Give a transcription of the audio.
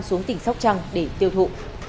xuống tỉnh sóc trăng để tiêu thụ